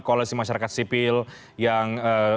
koalisi masyarakat sipil yang